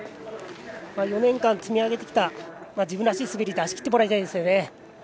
４年間積み上げてきた自分らしい滑りを出しきってもらいたいですね。